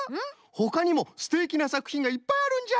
ほかにもすてきなさくひんがいっぱいあるんじゃ。